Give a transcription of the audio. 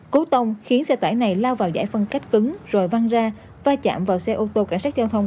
cú tông khiến xe tải này lao vào giải phân cách cứng rồi văng ra va chạm vào xe ô tô cảnh sát giao thông